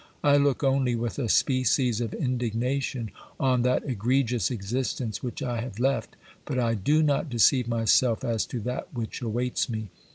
I look only with a species of indignation on that egregious existence which I have left, but I do not deceive myself as to that which awaits me.